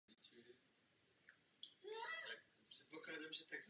Nezměnila jsem názor, ale připouštím, že jsem tuto při prohrála.